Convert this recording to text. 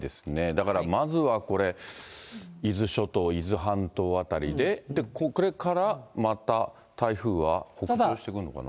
だからまずはこれ、伊豆諸島、伊豆半島辺りで、これからまた台風は北上してくんのかな？